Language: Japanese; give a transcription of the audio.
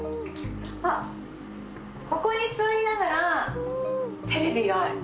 あっここに座りながらテレビが。